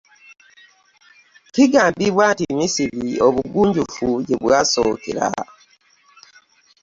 Kigambibwa nti Misiri obugunjufu gye bwasookera.